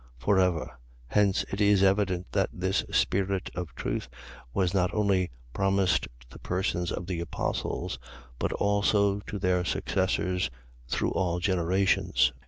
For ever. . .Hence it is evident that this Spirit of Truth was not only promised to the persons of the apostles, but also to their successors through all generations.